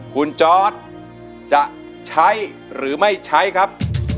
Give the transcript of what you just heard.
คุณจอร์ดจะใช้หรือไม่ใช้ครับ